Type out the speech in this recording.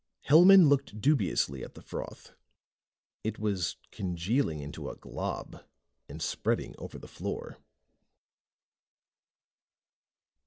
Hellman looked dubiously at the froth. It was congealing into a glob and spreading over the floor.